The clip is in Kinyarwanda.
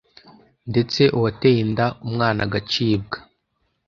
ndetse uwateye inda umwana agacibwa